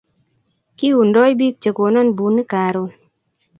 kiiundoi biik che konan bunik karon